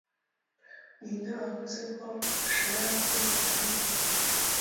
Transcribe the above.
Ninde wavuze ko ushobora kwinjira hano?